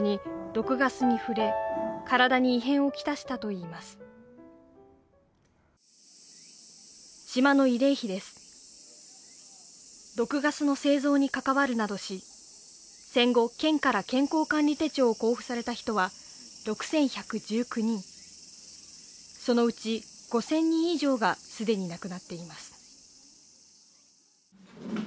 毒ガスの製造に関わるなどし戦後県から健康管理手帳を交付された人は６１１９人そのうち５０００人以上がすでに亡くなっています